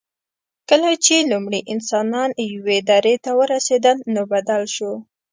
کله چې لومړي انسانان یوې درې ته ورسېدل، نو بدل شو.